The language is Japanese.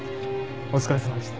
お疲れさまでした。